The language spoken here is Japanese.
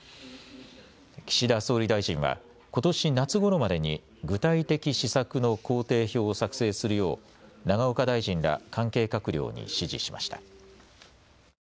岸田総理大臣はことし夏ごろまでに具体的施策の工程表を作成するよう永岡大臣ら関係閣僚に指示しました。